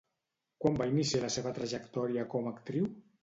Quan va iniciar la seva trajectòria com a actriu?